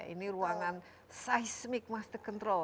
ini ruangan seismic master control